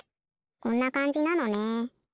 こんなかんじなのね。